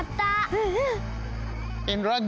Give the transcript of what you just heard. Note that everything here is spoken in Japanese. うんうん！